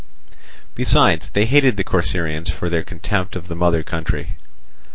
Besides, they hated the Corcyraeans for their contempt of the mother country.